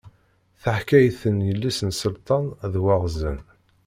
Taḥkayt n yelli-s n Selṭan d waɣzen.